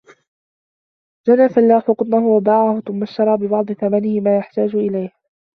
جَنَى الْفَلاَحُ قُطْنَهُ وَبَاعَهُ ثُمَّ اِشْتَرَىَ بِبَعْضِ ثَمَنِهِ مَا يَحْتَاجُ إِلَيْهِ.